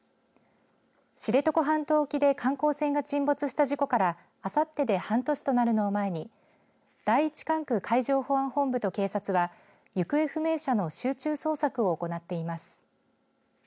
知床半島沖で観光船が沈没した事故からあさってで半年となるのを前に第１管区海上保安本部と警察は行方不明者の集中捜索を行っています。